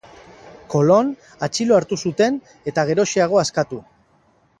Kolon atxilo hartu zuten eta geroxeago askatu.